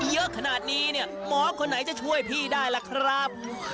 เยอะขนาดนี้เนี่ยหมอคนไหนจะช่วยพี่ได้ล่ะครับ